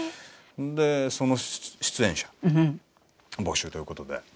その出演者募集という事で。